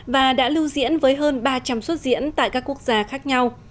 và đã lưu diễn với hơn ba trăm linh xuất diễn tại các quốc gia khác nhau